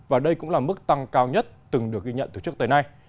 và đây cũng là mức tăng cao nhất từng được ghi nhận từ trước tới nay